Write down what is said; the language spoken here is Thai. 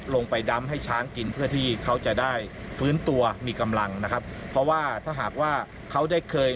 ดำให้ช้างกินเพื่อที่เขาจะได้ฟื้นตัวมีกำลังนะครับเพราะว่าถ้าหากว่าเขาได้เคย